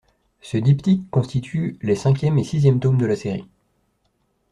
Ce diptyque constitue les cinquième et sixième tomes de la série.